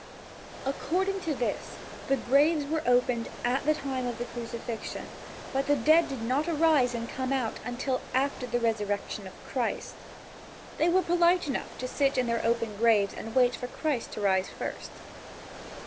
According to this the graves were opened at the time of the crucifixion, but the dead did not arise and come out until after the resurrection of Christ. They were polite enough to sit in their open graves and wait for Christ to rise first.